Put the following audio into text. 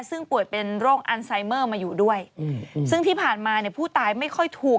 ซึ่งป่วยเป็นโรคอันไซเมอร์มาอยู่ด้วยซึ่งที่ผ่านมาเนี่ยผู้ตายไม่ค่อยถูก